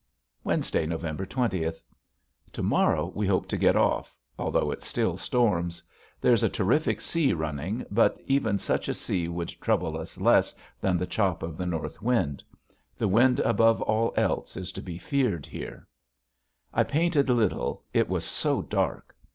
Wednesday, November twentieth. To morrow we hope to get off although it still storms. There's a terrific sea running but even such a sea would trouble us less than the chop of the north wind. The wind above all else is to be feared here. I painted little it was so dark.